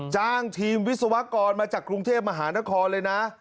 จ้างทีมวิศวกรมาจากกรุงเทพมหานครเลยนะ